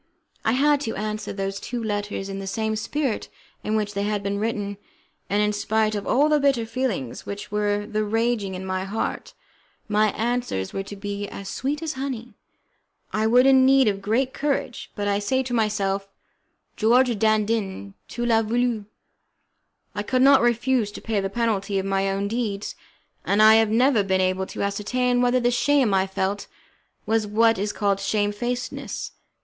I had to answer those two letters in the same spirit in which they had been written, and in spite of all the bitter feelings which were then raging in my heart, my answers were to be as sweet as honey. I was in need of great courage, but I said to myself: "George Dandin, tu las voulu!" I could not refuse to pay the penalty of my own deeds, and I have never been able to ascertain whether the shame I felt was what is called shamefacedness.